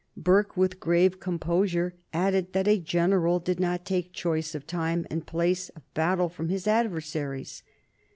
Burke, with grave composure, added that a general did not take choice of time and place of battle from his adversaries.